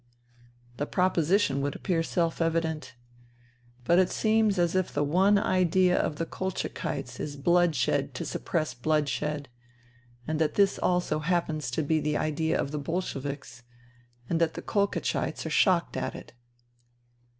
" The proposition would appear self evident. But it seems as if the one idea of the Kolchakites is blood shed to suppress bloodshed ; and that this also happens to be the idea of the Bolsheviks ; and that the Kolchakites are shocked at it."